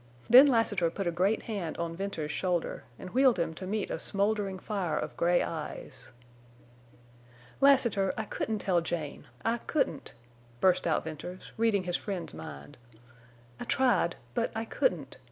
Then Lassiter put a great hand on Venters's shoulder and wheeled him to meet a smoldering fire of gray eyes. "Lassiter, I couldn't tell Jane! I couldn't," burst out Venters, reading his friend's mind. "I tried. But I couldn't.